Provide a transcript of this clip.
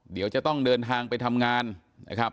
เดี๋ยวจะต้องเดินทางไปทำงานนะครับ